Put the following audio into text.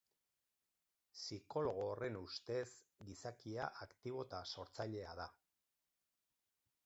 Psikologo horren ustez, gizakia aktibo eta sortzailea da.